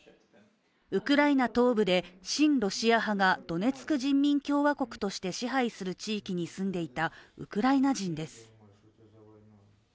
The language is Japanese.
ウクライナ東部で親ロシア派がドネツク人民共和国として支配する地域に住んでいたウクライナ人です。